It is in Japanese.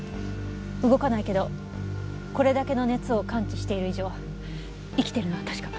動かないけどこれだけの熱を感知している以上生きているのは確か。